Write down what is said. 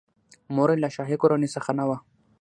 مور یې له شاهي کورنۍ څخه نه وه.